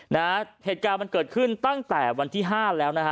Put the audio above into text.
นะฮะเหตุการณ์มันเกิดขึ้นตั้งแต่วันที่ห้าแล้วนะฮะ